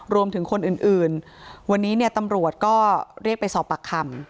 รวมถึงคนอื่นวันนี้เนี่ยตำรวจก็เรียกไปสอบปากคำ